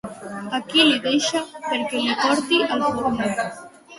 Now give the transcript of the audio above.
A qui li deixa perquè li porti al forner?